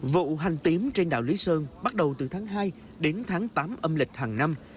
vụ hành tím trên đảo lý sơn bắt đầu từ tháng hai đến tháng tám âm lịch hàng năm